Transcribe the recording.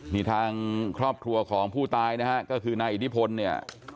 นี่ทางครอบครัวของผู้ตายนะฮะก็คือนายอิทธิพลเนี่ย